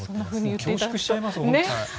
恐縮しちゃいますね。